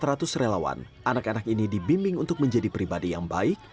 seratus relawan anak anak ini dibimbing untuk menjadi pribadi yang baik